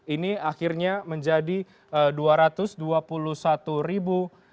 ini akhirnya menjadi rp dua ratus dua puluh satu